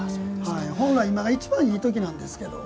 本来、今が一番いいときなんですけど。